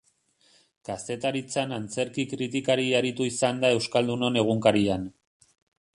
Kazetaritzan antzerki kritikari aritu izan da Euskaldunon Egunkarian.